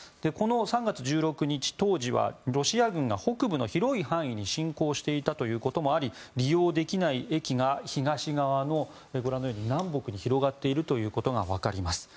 ３月１６日当時は当時はロシア軍が北部の広い範囲に侵攻していたということもあり利用できない駅が東側のご覧のように南北に広がっていることがわかります。